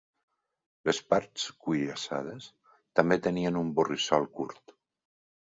Les parts cuirassades també tenien un borrissol curt.